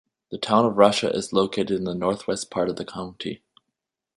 The Town of Russia is located in the northwest part of the county.